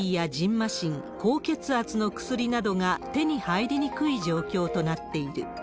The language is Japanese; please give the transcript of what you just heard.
ましん、高血圧の薬などが手に入りにくい状況となっている。